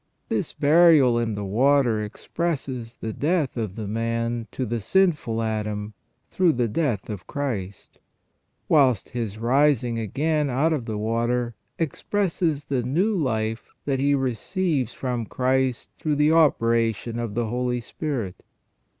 This burial in the water expresses the death of the man to the sinful Adam through the death of Christ ; whilst his rising again out of the water expresses the new life that he receives from Christ through the operation of the Holy Spirit.